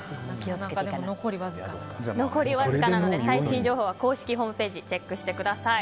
残りわずかなので最新情報は公式ホームページをチェックしてください。